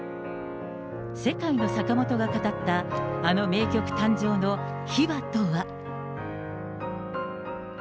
世界のサカモトが語ったあの名曲誕生の秘話とは。